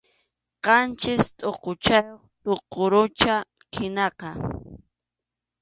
Qanchis tʼuquchayuq tuqurucham qinaqa.